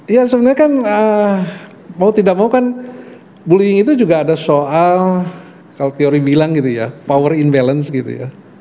ya sebenarnya kan mau tidak mau kan bullying itu juga ada soal kalau teori bilang gitu ya power in balance gitu ya